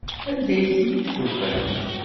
Anda ay ten-id-tufam?